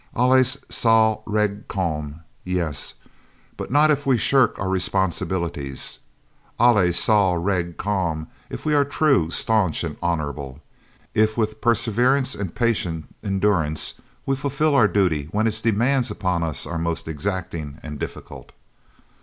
"Alles sal reg kom," yes, but not if we shirk our responsibilities. "Alles sal reg kom" if we are true, staunch, and honourable, if with perseverance and patient endurance we fulfil our duty when its demands upon us are most exacting and difficult.